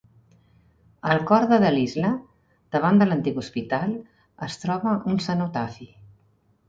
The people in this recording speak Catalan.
Al cor de Delisle, davant de l'antic hospital, es troba un cenotafi.